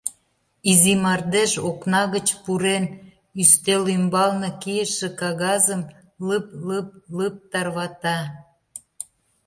Изи мардеж, окна гыч пурен, ӱстел ӱмбалне кийыше кагазым лыб-лыб-лыб тарвата.